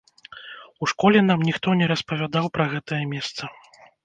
У школе нам ніхто не распавядаў пра гэтае месца.